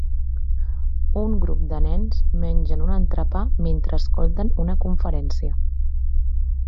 Un grup de nens mengen un entrepà mentre escolten una conferència.